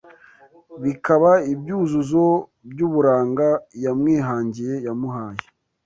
Bikaba ibyuzuzo by’ uburanga Iyamwihangiye yamuhaye